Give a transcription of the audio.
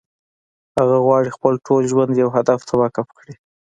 هغه غواړي خپل ټول ژوند يو هدف ته وقف کړي.